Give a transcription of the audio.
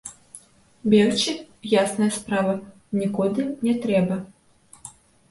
Бегчы, ясная справа, нікуды не трэба.